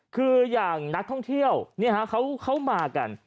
คืออย่างนักท่องเที่ยวเขามากัน